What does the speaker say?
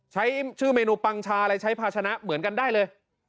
ใช้ชื่อเมนูปังชาอะไรใช้ภาชนะเหมือนกันได้เลย